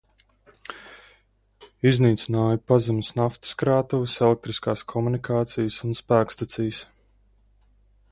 Iznīcināja pazemes naftas krātuves, elektriskās komunikācijas un spēkstacijas.